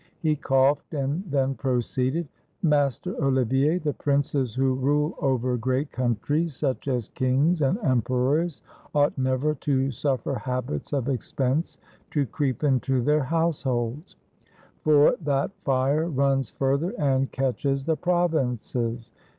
He coughed and then proceeded: "Master Olivier, the princes who rule over great countries, such as kings and emperors, ought never to suffer habits of expense to creep into their households; for that fire runs further and catches the provinces.